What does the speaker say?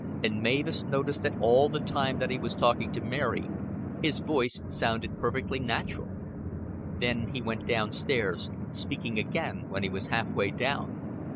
And Mavis noticed that all the time that he was talking to Mary his voice sounded perfectly natural. Then he went down stairs, speaking again when he was half way down.